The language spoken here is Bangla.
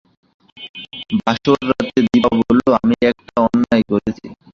বাসর রাতে দিপা বলল, আমি একটা অন্যায় করেছি।